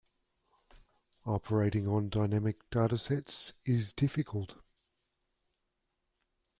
Operating on dynamic data sets is difficult.